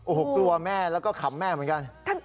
โอ้โหกลัวแม่แล้วก็ขำแม่เหมือนกัน